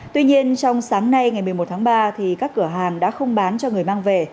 tuy nhiên trong sáng nay ngày một mươi một tháng ba các cửa hàng đã không bán cho người mang về